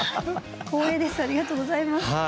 光栄ですありがとうございます。